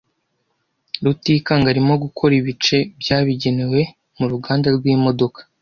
Rutikanga arimo gukora ibice byabigenewe mu ruganda rwimodoka.